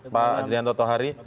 pak ajrianto tohari